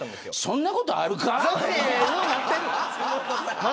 そんなことあるか。